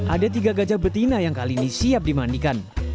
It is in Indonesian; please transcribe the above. ada tiga gajah betina yang kali ini siap dimandikan